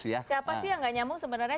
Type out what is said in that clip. siapa sih yang gak nyambung sebenarnya